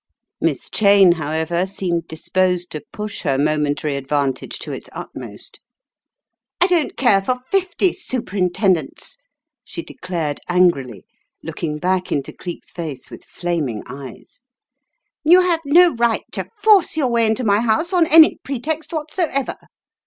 Miss Cheyne, however, seemed disposed to push her momentary advantage to its utmost. "I don't care for fifty Superintendents," she declared, angrily, looking back into Cleek's face with The House of Shadows 43 flaming eyes. "You have no right to force your way into my house on any pretext whatsoever.